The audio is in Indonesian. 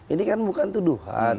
ini kan bukan tuduhan